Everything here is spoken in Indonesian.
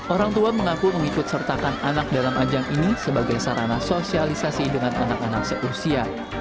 orang tua mengaku mengikut sertakan anak dalam ajang ini sebagai sarana sosialisasi dengan anak anak seusia